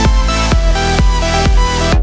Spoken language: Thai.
เพลง